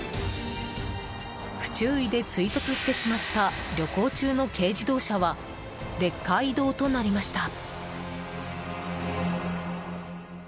不注意で追突してしまった旅行中の軽自動車はレッカー移動となりました。